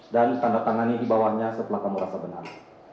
dan tanda tangan ini di bawahnya setelah kamu rasa benar